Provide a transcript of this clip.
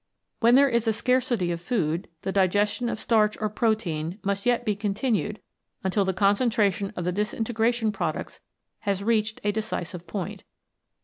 When there is a scarcity of food, the diges tion of starch or protein must yet be continued until the concentration of the disintegration products has reached a decisive point.